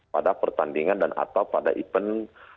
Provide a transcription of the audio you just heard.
pada pertandingan dan atau pada event